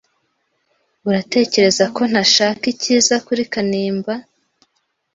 Uratekereza ko ntashaka icyiza kuri Kanimba?